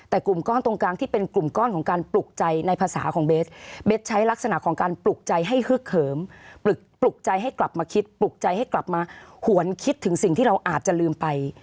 แต่กลุ่มก้อนตรงกลางที่เป็นกลุ่มก้อนของการปลุกใจในภาษาของเบสเบสใช้ลักษณะของการปลุกใจให้ฮึกเขิมปลุกใจให้กลับมาคิดปลุกใจให้กลับมาหวนคิดถึงสิ่งที่เราอาจจะลืมไป